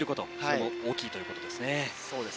それも大きいということですね。